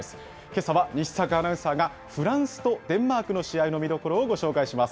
けさは西阪アナウンサーがフランスとデンマークの試合の見どころ